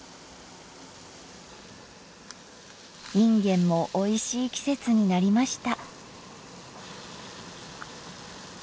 いんげんもおいしい季節になりました。